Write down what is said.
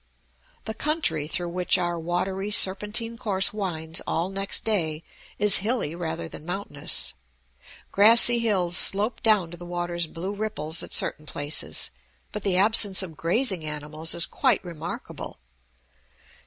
The country through which our watery, serpentine course winds all next day, is hilly rather than mountainous; grassy hills slope down to the water's blue ripples at certain places, but the absence of grazing animals is quite remarkable.